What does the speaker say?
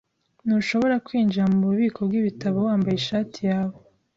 Ntushobora kwinjira mububiko bwibitabo wambaye ishati yawe.